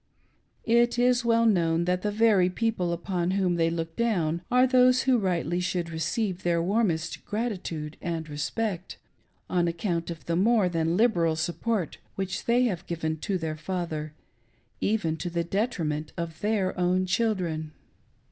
It is well known that the very people upon whom they look down are those who rightly should receive their warmest gratitude and respect, on account of the more than liberal support which they have given to their father, even to the detriment of their own children.